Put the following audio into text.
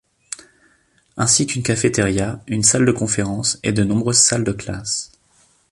Ainsi qu'une cafétéria, une salle de conférence et de nombreuses salles de classe.